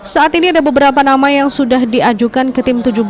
saat ini ada beberapa nama yang sudah diajukan ke tim tujuh belas